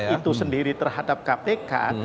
itu sendiri terhadap kpk